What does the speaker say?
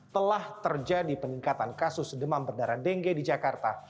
telah terjadi peningkatan kasus demam berdarah dengue di jakarta